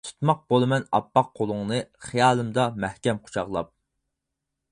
تۇتماق بولىمەن ئاپئاق قولۇڭنى، خىيالىمدا مەھكەم قۇچاقلاپ.